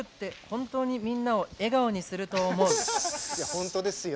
本当ですよ。